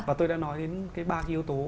và tôi đã nói đến ba cái yếu tố